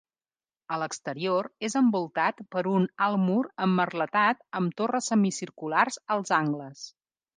A l'exterior, és envoltat per un alt mur emmerletat amb torres semicirculars als angles.